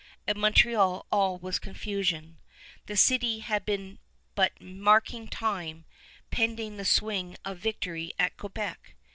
At Montreal all was confusion. The city had been but marking time, pending the swing of victory at Quebec.